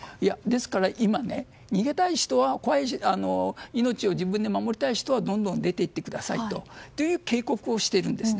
ですから今、逃げたい人は命を自分で守りたい人はどんどん出て行ってくださいという警告をしています。